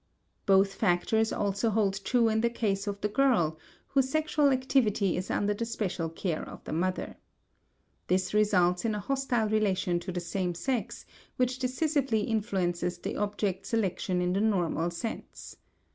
Both factors also hold true in the case of the girl whose sexual activity is under the special care of the mother. This results in a hostile relation to the same sex which decisively influences the object selection in the normal sense.